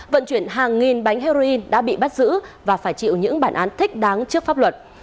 vận chuyển hàng nghìn bánh heroin đã bị bắt giữ và phải chịu những bản án thích đáng trước pháp luật